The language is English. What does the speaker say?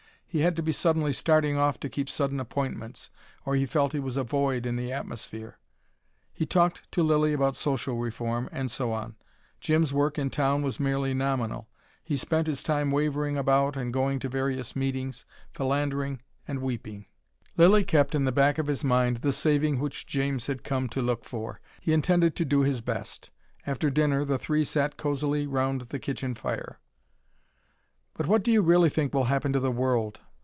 He had to be suddenly starting off to keep sudden appointments, or he felt he was a void in the atmosphere. He talked to Lilly about social reform, and so on. Jim's work in town was merely nominal. He spent his time wavering about and going to various meetings, philandering and weeping. Lilly kept in the back of his mind the Saving which James had come to look for. He intended to do his best. After dinner the three sat cosily round the kitchen fire. "But what do you really think will happen to the world?"